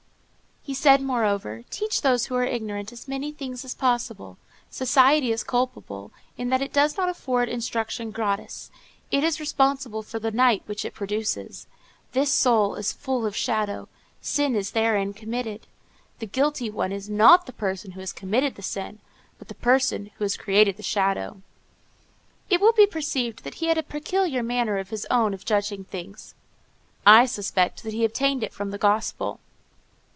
He said, moreover, "Teach those who are ignorant as many things as possible; society is culpable, in that it does not afford instruction gratis; it is responsible for the night which it produces. This soul is full of shadow; sin is therein committed. The guilty one is not the person who has committed the sin, but the person who has created the shadow." It will be perceived that he had a peculiar manner of his own of judging things: I suspect that he obtained it from the Gospel.